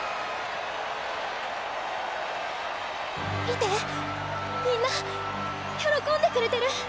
見てみんな喜んでくれてる！